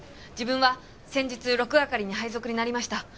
自分は先日６係に配属になりました